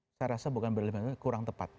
saya rasa bukan berlebihannya kurang tepat